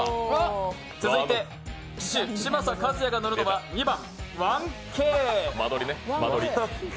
続いて騎手・嶋佐和也が乗るのは２番、１Ｋ。